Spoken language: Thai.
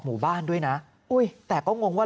หมู่บ้านด้วยนะอุ้ยแต่ก็งงว่า